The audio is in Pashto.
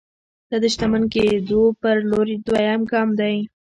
دا د شتمن کېدو پر لور دویم ګام دی